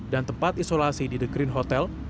dan tempat isolasi di the green hotel